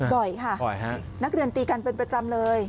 บ่อยค่ะบ่อยฮะนักเรียนตีกันเป็นประจำเลย